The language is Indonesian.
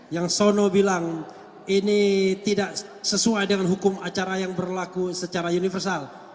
yang sono bilang ini tidak sesuai dengan hukum acara yang berlaku secara universal